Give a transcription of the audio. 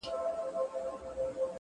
• د اولس برخه ,